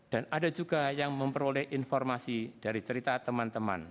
dan ada juga yang memperoleh informasi dari cerita teman teman